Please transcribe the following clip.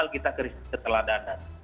kita krisis keteladanan